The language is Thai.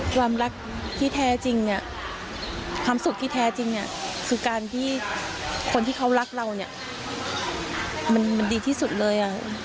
ความรักที่แท้จริงความสุขที่แท้จริงคือการที่คนที่เขารักเรามันดีที่สุดเลย